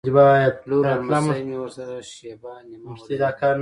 لور او نمسۍ مې ورسره شېبه نیمه ودرېدې.